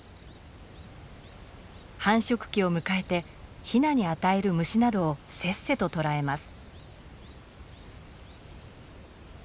繁殖期を迎えてヒナに与える虫などをせっせと捕らえます。